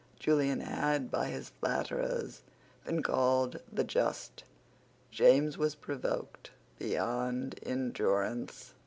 Julian had, by his flatterers, been called the Just. James was provoked beyond endurance.